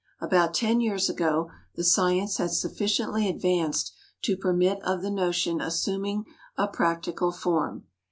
About ten years ago the science had sufficiently advanced to permit of the notion assuming a practical form.